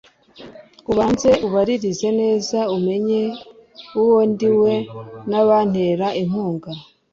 ubanze ubaririze neza umenye uwo ndi we n'abantera inkunga